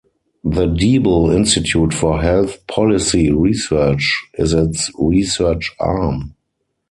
The Deeble Institute for Health Policy Research is its research arm.